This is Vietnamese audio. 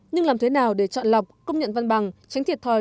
nhưng làm thế nào để chọn lọc công nhận văn bằng tránh thiệt thòi